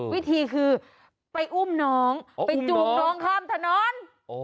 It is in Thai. วิธีคือไปอุ้มน้องไปจูงน้องข้ามถนน